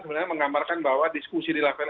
sebenarnya menggambarkan bahwa diskusi di lapangan